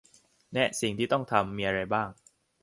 แนะสิ่งที่ต้องทำมีอะไรบ้าง